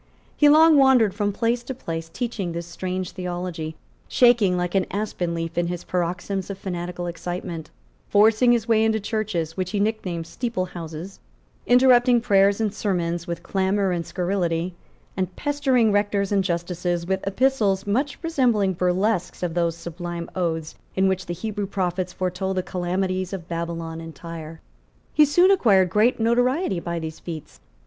He long wandered from place to place, teaching this strange theology, shaking like an aspen leaf in his paroxysms of fanatical excitement, forcing his way into churches, which he nicknamed steeple houses interrupting prayers and sermons with clamour and scurrility, and pestering rectors and justices with epistles much resembling burlesques of those sublime odes in which the Hebrew prophets foretold the calamities of Babylon and Tyre. He soon acquired great notoriety by these feats.